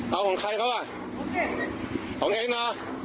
เอาของใครเขาอ่ะของเองนะ